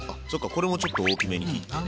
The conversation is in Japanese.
これもちょっと大きめに切ってね。